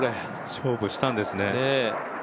勝負したんですね。